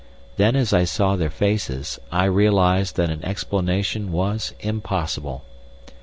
Then as I saw their faces, I realised that an explanation was impossible.